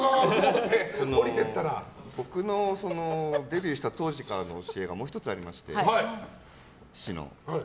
僕のデビューした当時からの教えがもう１つありまして、父の。